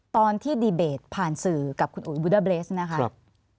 ตอนที่ดีเบทผ่านสื่อกับคุณอู๋อุดาเบรสเนี่ยครับ